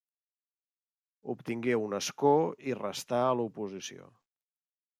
Obtingué un escó i restà a l'oposició.